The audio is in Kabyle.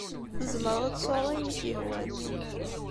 Tzemreḍ ad tesɛuḍ ayen i k-yehwan.